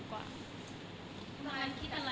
หือ